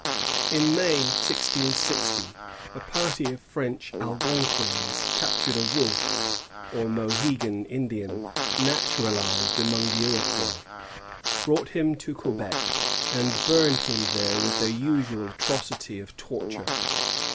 In May, 1660, a party of Ftench Algonquins captured a Wolf, or Mohegan, Indian, naturalized among the Iroquois, brought him to Quebec, and burned him there with their usual atrocity of torture.